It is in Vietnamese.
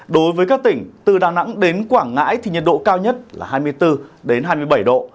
đối với các tỉnh từ đà nẵng đến quảng ngãi thì nhiệt độ cao nhất là hai mươi bốn hai mươi bảy độ